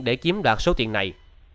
để kiếm đoạt số tiền này